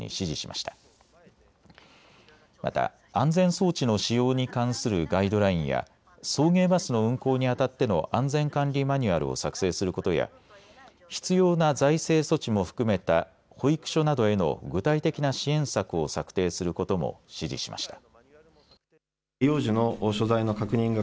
また安全装置の仕様に関するガイドラインや送迎バスの運行にあたっての安全管理マニュアルを作成することや必要な財政措置も含めた保育所などへの具体的な支援策を策定することも指示しました。